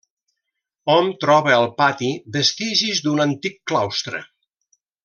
Hom troba al pati vestigis d'un antic claustre.